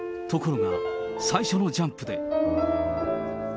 ところが、最初のジャンプで。